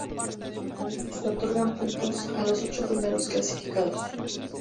Se otorgan puntos a los ocho primeros clasificados.